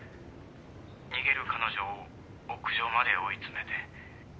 「逃げる彼女を屋上まで追い詰めて」